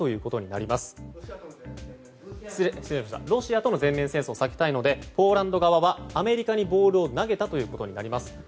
ロシアとの全面戦争を避けたいのでポーランドはアメリカにボールを投げたということになります。